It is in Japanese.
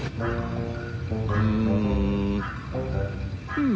うん。